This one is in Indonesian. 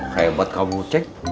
hebat kamu ceng